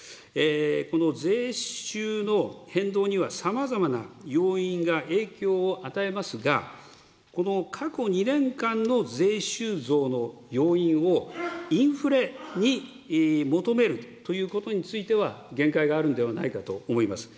この税収の変動には、さまざまな要因が影響を与えますが、この過去２年間の税収増の要因を、インフレに求めるということについては、限界があるのではないかと思います。